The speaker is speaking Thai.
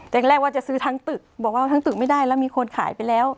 แรกว่าจะซื้อทั้งตึกบอกว่าทั้งตึกไม่ได้แล้วมีคนขายไปแล้ว